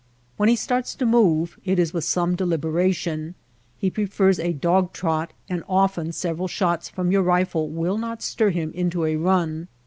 When he starts to move, it is with some deliberation. He prefers a dog trot and often several shots from your rifle will not stir him into a run.